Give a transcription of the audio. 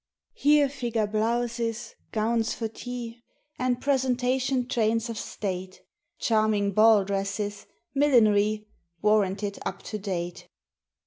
Here figure blouses, gowns for tea, And presentation trains of state, Charming ball dresses, millinery, Warranted up to date.